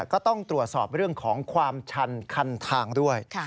ก็ต้องตรวจสอบเรื่องของความชันคันทางด้วย